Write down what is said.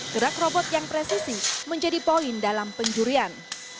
gerak robot yang presisi menjadi poin dalam penjurian